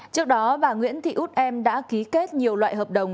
trước đó bà nguyễn thị út em đã ký kết nhiều loại hợp đồng